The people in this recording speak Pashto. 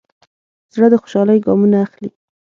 زړه د خوشحالۍ ګامونه اخلي.